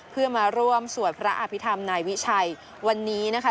เพื่อมาร่วมสวดพระอภิษฐรรมนายวิชัยวันนี้นะคะ